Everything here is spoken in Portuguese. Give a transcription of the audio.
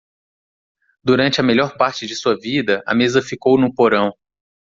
Durante a melhor parte de sua vida, a mesa ficou no porão.